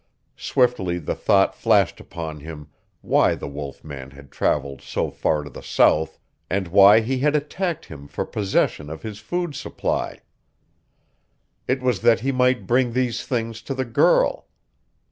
Swiftly the thought flashed upon him why the wolf man had traveled so far to the south, and why he had attacked him for possession of his food supply. It was that he might bring these things to the girl.